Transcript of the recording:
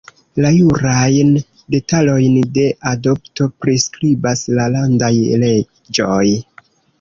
La jurajn detalojn de adopto priskribas la landaj leĝoj.